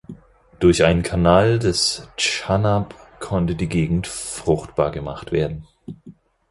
Durch einen Kanal des Chanab konnte die Gegend fruchtbar gemacht werden.